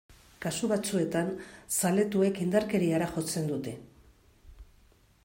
Kasu batzuetan, zaletuek indarkeriara jotzen dute.